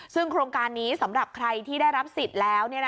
ซึ่งโครงการนี้สำหรับใครที่ได้รับสิทธิ์แล้ว